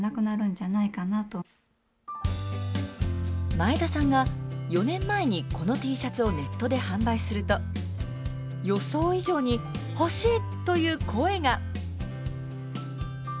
前田さんが４年前にこのＴシャツをネットで販売すると予想以上に欲しいという声が。